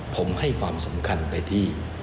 ผมให้ความสำคัญไปที่